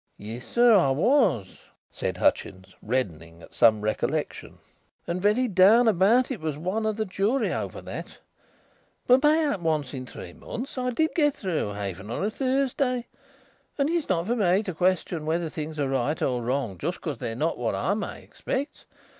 "Yes, sir, I was," said Hutchins, reddening at some recollection, "and very down about it was one of the jury over that. But, mayhap once in three months, I did get through even on a Thursday, and it's not for me to question whether things are right or wrong just because they are not what I may expect.